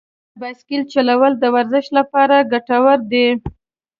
د بایسکل چلول د ورزش لپاره ګټور دي.